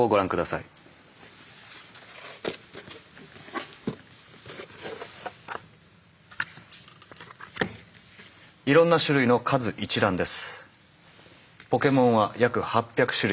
いろんな種類の数一覧です。